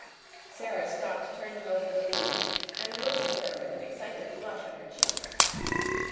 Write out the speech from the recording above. Sara stopped turning over the leaves and looked at her with an excited flush on her cheeks.